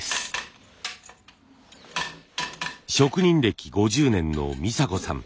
職人歴５０年の美佐子さん。